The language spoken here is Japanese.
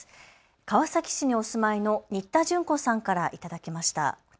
川崎市にお住まいの新田純子さんから頂きました。